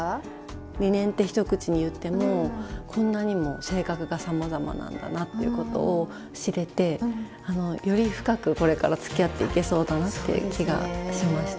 リネンって一口に言ってもこんなにも性格がさまざまなんだなっていうことを知れてより深くこれからつきあっていけそうだなっていう気がしました。